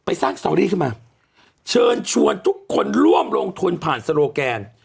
สร้างสตอรี่ขึ้นมาเชิญชวนทุกคนร่วมลงทุนผ่านสโลแกน